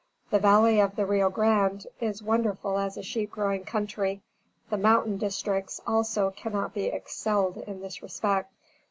The valley of the Rio Grande is wonderful as a sheep growing country. The mountain districts also cannot be excelled in this respect.